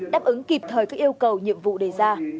đáp ứng kịp thời các yêu cầu nhiệm vụ đề ra